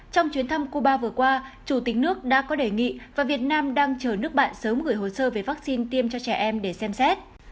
trong chuyến thăm cuba vừa qua chủ tịch nước đã có đề nghị và việt nam đang chờ nước bạn sớm gửi hồ sơ về vaccine tiêm cho trẻ em để xem xét